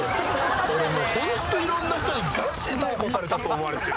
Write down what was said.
俺ホントいろんな人にがちで逮捕されたと思われてる。